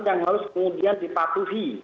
yang harus kemudian dipatuhi